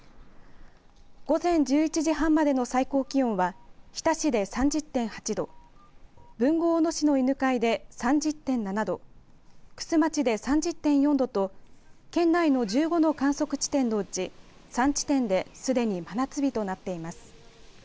午前１１時半までの最高気温は日田市で３０．８度豊後大野市の犬飼で３０．７度玖珠町で３０．４度と県内の１５の観測地点のうち３地点ですでに真夏日となっています。